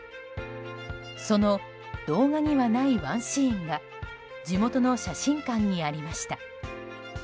その動画にはないワンシーンが地元の写真館にありました。